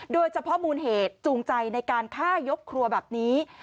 โดยเฉพาะมูลเหตุจูงใจในการฆ่ายกครัวแบบนี้